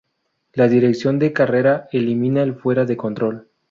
La dirección de carrera elimina el fuera de control.